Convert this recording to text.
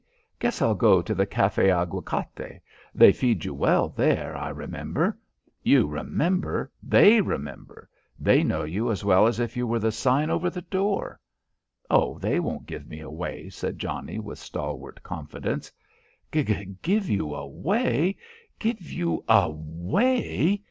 Guess I'll go to the Café Aguacate. They feed you well there. I remember " "You remember? They remember! They know you as well as if you were the sign over the door." "Oh, they won't give me away," said Johnnie with stalwart confidence. "Gi give you away? Give you a way?"